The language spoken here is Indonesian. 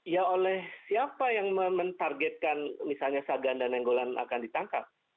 ya oleh siapa yang menargetkan misalnya sagan dan nenggolan akan ditangkap